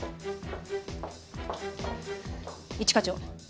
一課長。